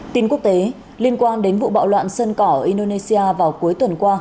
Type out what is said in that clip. tin quốc tế liên quan đến vụ bạo loạn sơn cỏ ở indonesia vào cuối tuần qua